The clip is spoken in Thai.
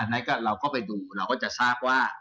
นั้นเราก็ไปดูเราก็จะทราบว่า